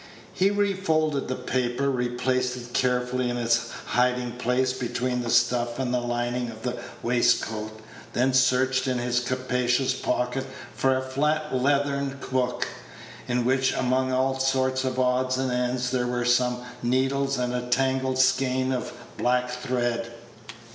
He refolded the paper, replaced it carefully in its hiding place between the stuff and lining of the waistcoat, then searched in his capacious pocket for a fat leathern book, in which, among all sorts of odds and ends, there were some needles and a tangled skein of black thread.